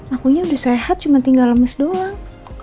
akunya udah sehat cuma tinggal lemes doang